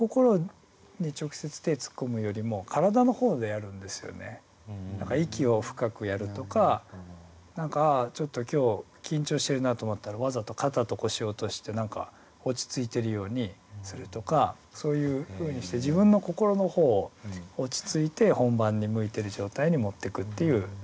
あるパフォーマンスっていうかその時には結局息を深くやるとか何かちょっと今日緊張してるなって思ったらわざと肩と腰を落として何か落ち着いてるようにするとかそういうふうにして自分の心の方を落ち着いて本番に向いてる状態に持ってくっていうやり方をしますね。